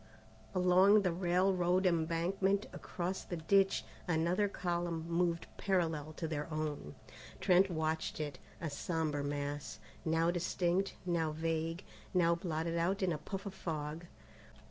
Along the railroad embankment across the ditch, another column moved parallel to their own. Trent watched it, a sombre mass, now distinct, now vague, now blotted out in a puff of fog.